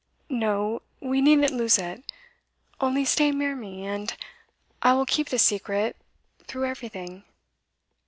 'No. We needn't lose it. Only stay near me, and I will keep the secret, through everything.